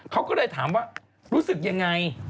เขาก็เลยถามว่ารู้สึกยังไง